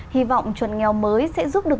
hy vọng chuẩn nghèo mới sẽ giúp được